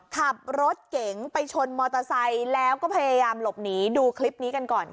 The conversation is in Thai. ขับรถเก๋งไปชนมอเตอร์ไซค์แล้วก็พยายามหลบหนีดูคลิปนี้กันก่อนค่ะ